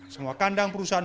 semua kandang perusahaan